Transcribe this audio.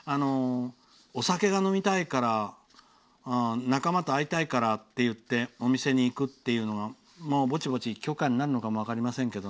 お酒が飲みたいから仲間と会いたいからと言ってお店に行くというのはぼちぼち許可になるのかも分かりませんけど。